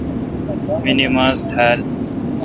می نماز نہ تھال۔